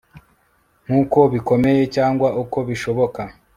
nkuko bikomeye cyangwa uko bishoboka